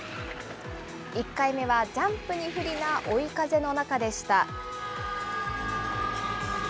１回目はジャンプに不利な追い風の中でした。